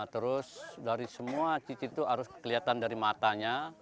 terus dari semua cicit itu harus kelihatan dari matanya